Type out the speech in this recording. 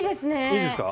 いいですか？